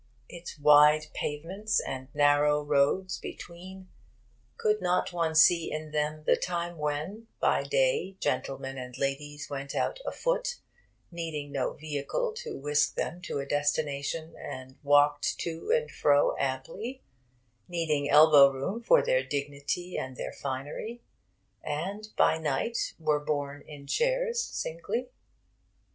Its wide pavements and narrow roads between could not one see in them the time when by day gentlemen and ladies went out afoot, needing no vehicle to whisk them to a destination, and walked to and fro amply, needing elbow room for their dignity and their finery, and by night were borne in chairs, singly?